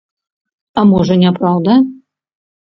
А можа, не праўда?!